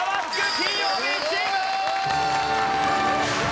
金曜日チーム！